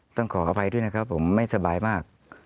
ต้องขออภัยด้วยนะครับผมไม่สบายมาก